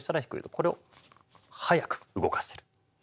これを速く動かせるですね。